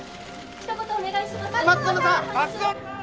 ひと言お願いします！」